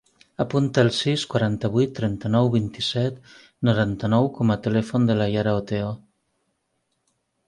Apunta el sis, quaranta-vuit, trenta-nou, vint-i-set, noranta-nou com a telèfon de la Yara Oteo.